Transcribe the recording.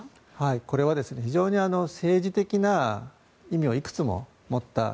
これは非常に政治的な意味をいくつも持った。